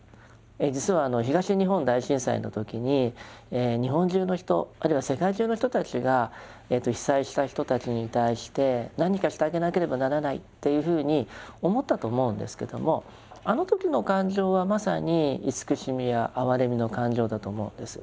実はあの東日本大震災の時に日本中の人あるいは世界中の人たちが被災した人たちに対して何かしてあげなければならないっていうふうに思ったと思うんですけどもあの時の感情はまさに慈しみや哀れみの感情だと思うんです。